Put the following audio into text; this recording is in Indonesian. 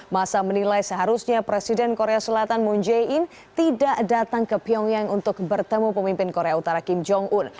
masa menilai seharusnya presiden korea selatan moon jae in tidak datang ke pyongyang untuk bertemu pemimpin korea utara kim jong un